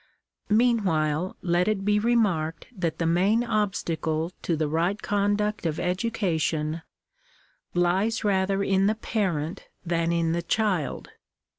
Meanwhile let it be remarked that the main obstacle to the right conduct of education lies rather in the parent than in the child.